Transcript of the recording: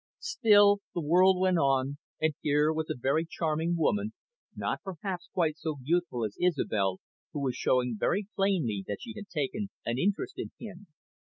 Still the world went on, and here was a very charming woman, not perhaps quite so youthful as Isobel, who was showing very plainly that she had taken an interest in him.